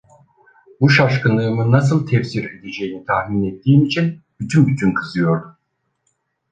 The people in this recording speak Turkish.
Bu şaşkınlığımı nasıl tefsir edeceğini tahmin ettiğim için bütün bütün kızıyordum.